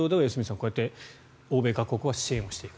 こうやって欧米各国は支援していくと。